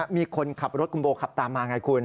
มีคนขับรถคุณโบขับตามมาไงคุณ